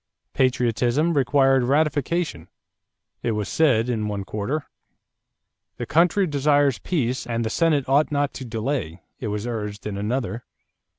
Patriotism required ratification, it was said in one quarter. The country desires peace and the Senate ought not to delay, it was urged in another.